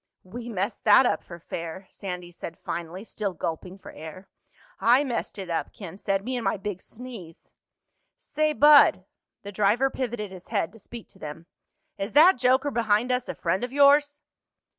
"We messed that up for fair," Sandy said finally, still gulping for air. "I messed it up," Ken said. "Me and my big sneeze." "Say, bud"—the driver pivoted his head to speak to them—"is that joker behind us a friend of yours?"